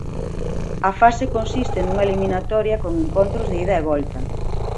A fase consiste nunha eliminatoria con encontros de ida e volta.